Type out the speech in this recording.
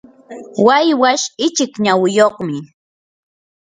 waywash ichik nawiyuqmi.